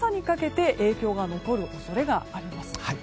降り方で明日の朝にかけて影響が残る恐れがあります。